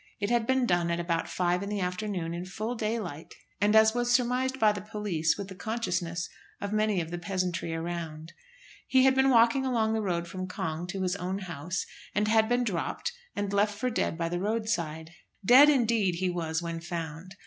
It had been done at about five in the afternoon, in full daylight; and, as was surmised by the police, with the consciousness of many of the peasantry around. He had been walking along the road from Cong to his own house, and had been "dropped," and left for dead by the roadside. Dead, indeed, he was when found.